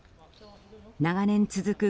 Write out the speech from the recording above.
長年続く